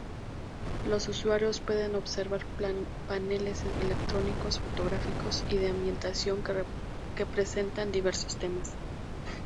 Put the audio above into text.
Los usuarios pueden observar paneles electrónicos, fotográficos y de ambientación, que presentan diversos temas.